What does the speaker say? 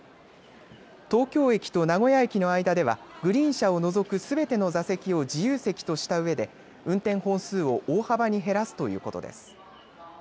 東京駅と名古屋駅の間ではグリーン車を除くすべての座席を自由席としたうえで運転本数を大幅に減らすということです。